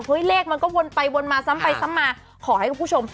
เลขมันก็วนไปวนมาซ้ำไปซ้ำมาขอให้คุณผู้ชม